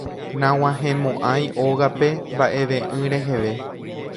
Nag̃uahẽmo'ãi ógape mba'eve'ỹ reheve.